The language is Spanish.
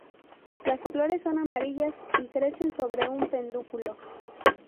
Las flores son amarillas y crecen sobre un pedúnculo.